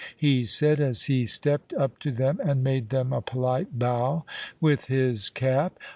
he said, as he stepped up to them and made them a polite bow with his cap.